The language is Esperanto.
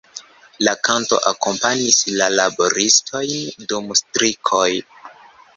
La kanto akompanis la laboristojn dum strikoj.